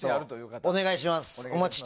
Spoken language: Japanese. お願いします。